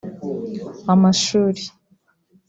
amashuri